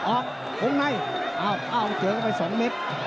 ออกตรงในอ้าวอ้าวเจอกันไปสองเมตร